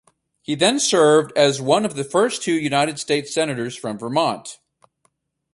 He then served as one of the first two United States Senators from Vermont.